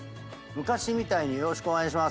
昔みたいに「よろしくお願いします」